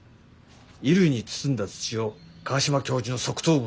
衣類に包んだ土を川島教授の側頭部にたたきつけたらしい。